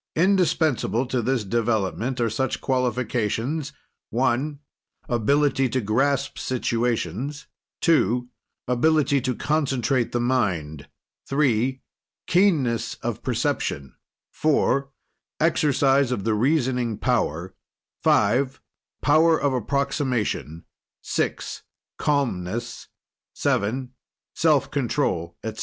Indispensable to this development are such qualifications (1) Ability to grasp situations; (2) Ability to concentrate the mind; (3) Keenness of perception; (4) Exercise of the reasoning power; (5) Power of approximation; (6) Calmness; (7) Self control, etc.